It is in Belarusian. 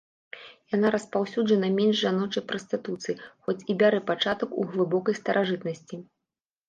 Яна распаўсюджана менш жаночай прастытуцыі, хоць і пярэ пачатак у глыбокай старажытнасці.